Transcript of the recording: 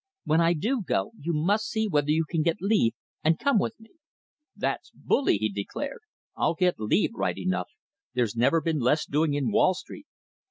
When I do go, you must see whether you can get leave and come with me." "That's bully," he declared. "I'll get leave, right enough. There's never been less doing in Wall Street.